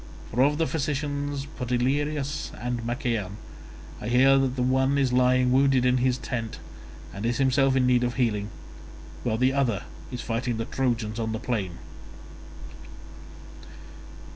For of the physicians Podalirius and Machaon, I hear that the one is lying wounded in his tent and is himself in need of healing, while the other is fighting the Trojans upon the plain."